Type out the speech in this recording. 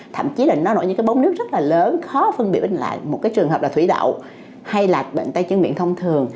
thậm chí là nó nổi những cái bóng nước rất là lớn khó phân biệt lại một cái trường hợp là thủy đậu hay là bệnh tay chân miệng thông thường